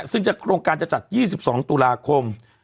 ซึ่งโครงการจะจัด๒๒ตุลาคม